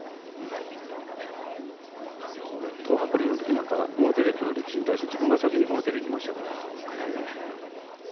東白龍の時なんかはもろ手でくる力士に対して自分が先にもろ手でいきましたから。